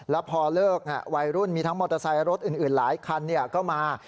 แล้วพอเลิกวัยรุ่นมีทั้งมอเตอร์ไซค์รถอื่นหลายคันก็มา